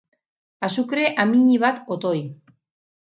Azukre amiñi bat otoi.